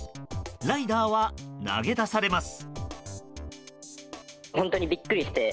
ライダーは投げ出されます。